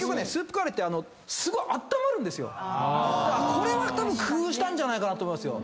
これはたぶん工夫したんじゃないかなと思いますよ。